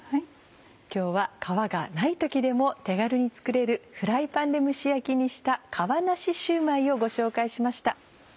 今日は皮がない時でも手軽に作れるフライパンで蒸し焼きにした「皮なしシューマイ」をご紹介しました。